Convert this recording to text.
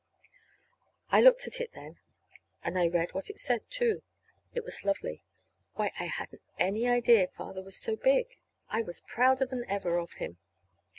I looked at it then, and I read what it said, too. It was lovely. Why, I hadn't any idea Father was so big. I was prouder than ever of him.